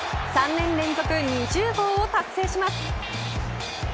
３年連続２０号を達成します。